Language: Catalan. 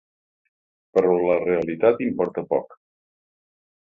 Però la realitat importa poc.